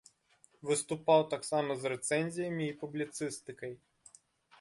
Выступаў таксама з рэцэнзіямі і публіцыстыкай.